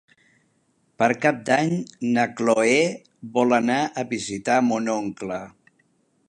Per Cap d'Any na Chloé vol anar a visitar mon oncle.